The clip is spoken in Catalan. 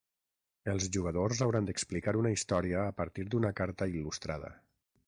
Els jugadors hauran d’explicar una història a partir d’una carta il·lustrada.